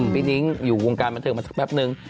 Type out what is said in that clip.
พี่นิ๊งอยู่ในวงการมาแถบนึง